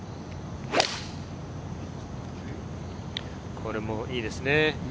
これもいいですね。